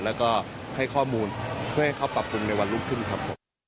แล้วก็ให้ข้อมูลเพื่อให้เขาปรับปรุงในวันรุ่งขึ้นครับผม